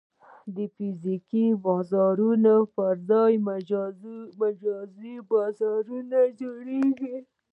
د فزیکي بازارونو پر ځای مجازي بازارونه جوړېږي.